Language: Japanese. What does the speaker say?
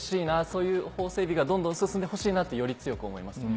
そういう法整備がどんどん進んでほしいなってより強く思います。